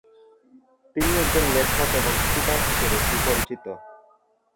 তিনি একজন লেখক এবং স্পিকার হিসাবে সুপরিচিত।